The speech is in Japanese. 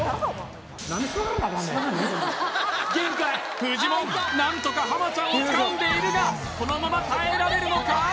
限界フジモン何とか浜ちゃんをつかんでいるがこのまま耐えられるのか？